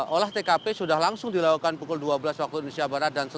olah tkp sudah langsung dilakukan pukul dua belas waktu indonesia barat